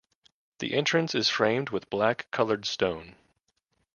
The entrance is framed with black colored stone.